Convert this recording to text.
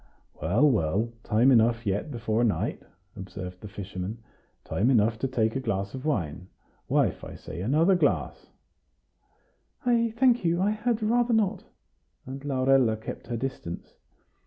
"Well, well, time enough yet before night," observed the fisherman; "time enough to take a glass of wine. Wife, I say, another glass!" "I thank you; I had rather not;" and Laurella kept her distance.